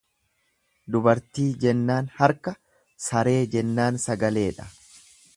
Dubartii jennaan harka, saree jennaan sagaleedha.